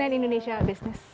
dan indonesia business